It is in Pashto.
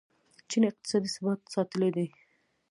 چین اقتصادي ثبات ساتلی دی.